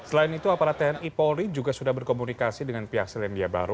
selain itu aparat tni polri juga sudah berkomunikasi dengan pihak selandia baru